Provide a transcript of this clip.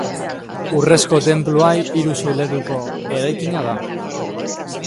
Urrezko tenplua hiru solairutako eraikina da.